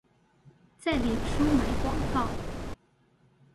在臉書買廣告